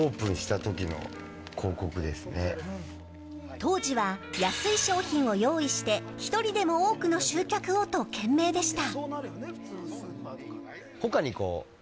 当時は、安い商品を用意して１人でも多くの集客をと懸命でした。